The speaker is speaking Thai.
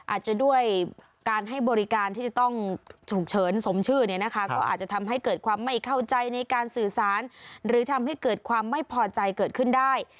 อาจจะด้วยการให้บริการที่จะต้องฉุกเฉินสมชื่อเนี่ยนะคะก็อาจจะทำให้เกิดความไม่เข้าใจในการสื่อสารหรือทำให้เกิดความไม่พอใจเกิดขึ้นได้